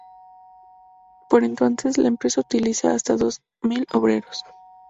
Por entonces, la empresa utiliza hasta dos mil obreros.